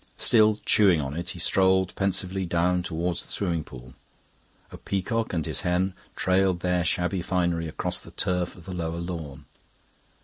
Still chewing on it, he strolled pensively down towards the swimming pool. A peacock and his hen trailed their shabby finery across the turf of the lower lawn.